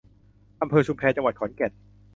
อำเภอชุมแพ จังหวัดขอนแก่น